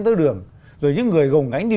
tới đường rồi những người gồng gánh đi